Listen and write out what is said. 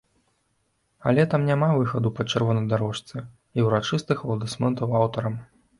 Але там няма выхаду па чырвонай дарожцы і ўрачыстых апладысментаў аўтарам.